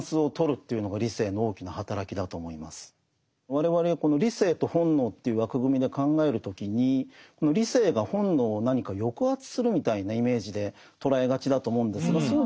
我々この理性と本能という枠組みで考える時に理性が本能を何か抑圧するみたいなイメージで捉えがちだと思うんですがそう